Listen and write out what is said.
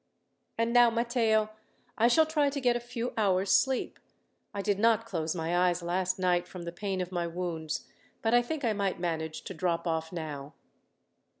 "And now, Matteo, I shall try to get a few hours' sleep. I did not close my eyes last night, from the pain of my wounds, but I think I might manage to drop off now."